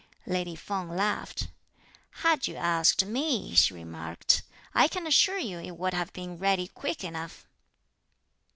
Lady Feng laughed. "Had you asked me," she remarked, "I can assure you it would have been ready quick enough."